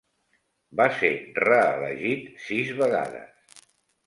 Va ser reelegit sis vegades.